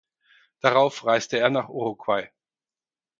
Darauf reiste er nach Uruguay.